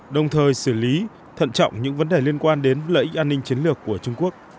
đồng thời xử lý thận trọng những vấn đề liên quan đến lợi ích an ninh chiến lược của trung quốc